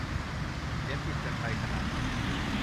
เขียนบิดกันไปขนาดนั้น